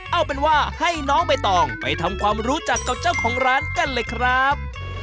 เอาเป็นว่าให้น้องใบตองไปทำความรู้จักกับเจ้าของร้านกันเลยครับ